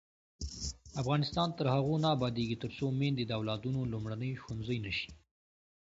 افغانستان تر هغو نه ابادیږي، ترڅو میندې د اولادونو لومړنی ښوونځی نشي.